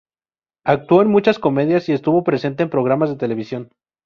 Actuó en muchas comedias y estuvo presente en programas de televisión.